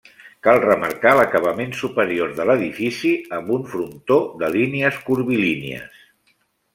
Cal remarcar l'acabament superior de l'edifici amb un frontó de línies curvilínies.